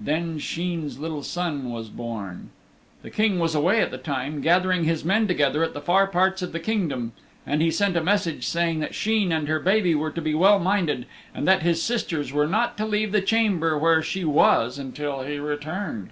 Then Sheen's little son was born. The King was away at the time, gathering his men together at far parts of the Kingdom, and he sent a message saying that Sheen and her baby were to be well minded, and that his sisters were not to leave the chamber where she was until he returned.